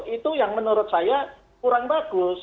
itu yang menurut saya kurang bagus